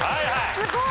すごい。